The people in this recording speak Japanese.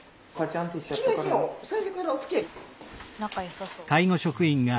仲よさそう。